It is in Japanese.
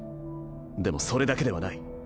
でもそれだけではない。